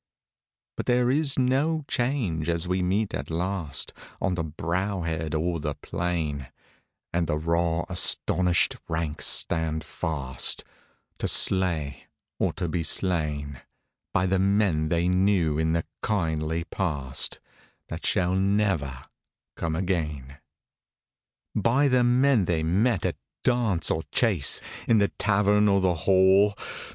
But there is no change as we meet at last On the brow head or the plain, And the raw astonished ranks stand fast To slay or to be slain By the men they knew in the kindly past That shall never come again — By the men they met at dance or chase, In the tavern or the hall.